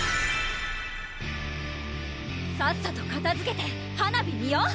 さっさとかたづけて花火見よ！